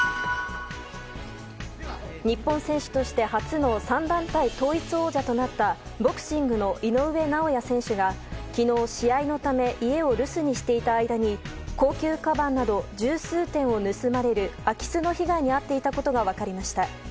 日本選手として初の３団体統一王者となったボクシングの井上尚弥選手が昨日、試合のため家を留守にしていた間に高級かばんなど十数点を盗まれる空き巣の被害に遭っていたことが分かりました。